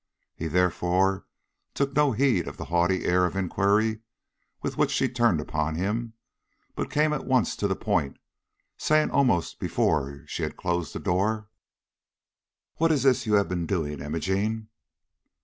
He therefore took no heed of the haughty air of inquiry which she turned upon him, but came at once to the point, saying almost before she had closed the door: "What is this you have been doing, Imogene?"